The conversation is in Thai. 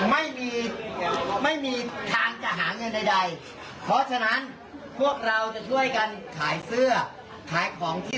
ไม่มีไม่มีทางจะหาเงินใดเพราะฉะนั้นพวกเราจะช่วยกันขายเสื้อขายของที่